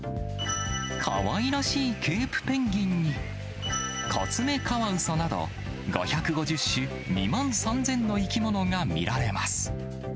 かわいらしいケープペンギンに、コツメカワウソなど、５５０種２万３０００の生き物が見られます。